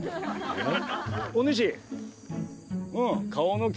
えっ？